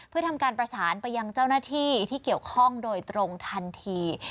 เพื่อทำการประสานไปยังเจ้าหน้าที่ที่เกี่ยวข้องโดยตรงทันที